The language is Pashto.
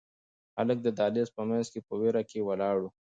هلک د دهلېز په منځ کې په وېره کې ولاړ و.